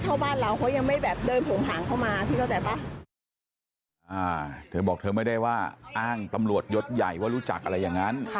ท่านทุกผู้ชมครับทางคดีนะครับ